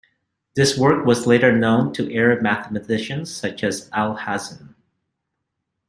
This work was later known to Arab mathematicians such as Alhazen.